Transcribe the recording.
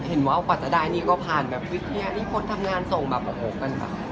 เห็นว่ากว่าจะได้นี่ก็ผ่านแบบวิทยาละนี่คนทำงานส่งแบบโภคกันป่ะ